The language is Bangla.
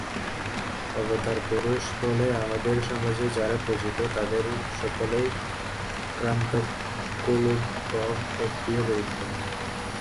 অবতারপুরুষ বলে আমাদের সমাজে যাঁরা পূজিত, তাঁদের সকলেই ক্ষাত্রকুলোদ্ভব, একটিও ব্যতিক্রম নেই।